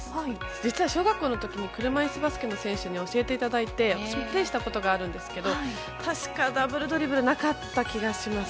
実は小学校の時に車いすバスケの選手に教えていただいてプレーしたことあるんですけど確か、ダブルドリブルはなかった気がします。